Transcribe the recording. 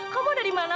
kamu ada dimana